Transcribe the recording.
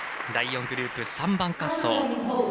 第４グループ、３番滑走。